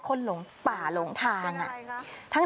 หลงป่าหลงทาง